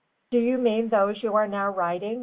"Do you mean those you are now riding?"